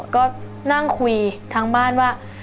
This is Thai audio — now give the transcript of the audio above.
ก็นั่งคุยทางบ้านว่า